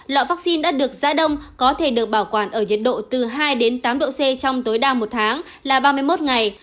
loại vaccine đã được giã đông có thể được bảo quản ở nhiệt độ từ hai đến tám độ c trong tối đa một tháng là ba mươi một ngày